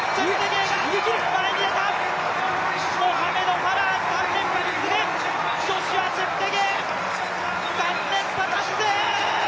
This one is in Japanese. モハメド・ファラー、３連覇に次ぐジョシュア・チェプテゲイ、３連覇達成！